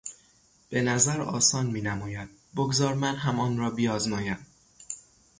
به نظر آسان مینماید بگذار من هم آن را بیازمایم.